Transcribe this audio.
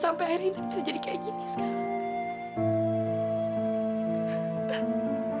sampai akhirnya intan bisa jadi kayak gini sekarang